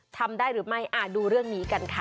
ทำได้หรือไม่ดูเรื่องนี้กันค่ะ